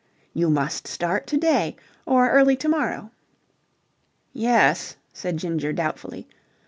"You must start to day. Or early to morrow." "Yes," said Ginger doubtfully.